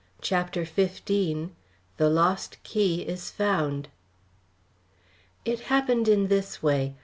CHAPTER XV THE LOST KEY IS FOUND It happened in this way.